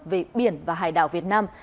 về biển và hải đảo việt nam